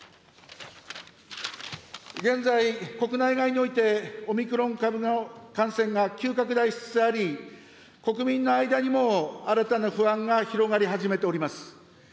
現在、国内外において、オミクロン株の感染が急拡大しつつあり、国民の間にも新たな不安が広がり始めております。